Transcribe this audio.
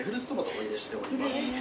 お入れしております。